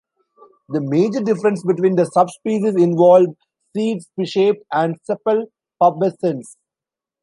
The major difference between the subspecies involve seed shape and sepal pubescence.